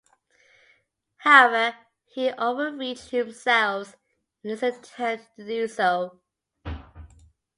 However, he overreached himself in his attempt to do so.